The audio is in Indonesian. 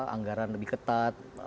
anggaran lebih ketat